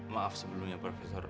maaf sebelumnya profesor